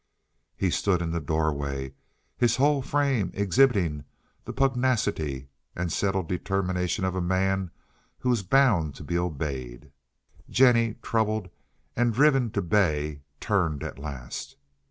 He stood in the doorway, his whole frame exhibiting the pugnacity and settled determination of a man who is bound to be obeyed. Jennie, troubled and driven to bay, turned at last.